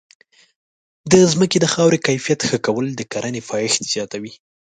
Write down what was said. د ځمکې د خاورې کیفیت ښه کول د کرنې پایښت زیاتوي.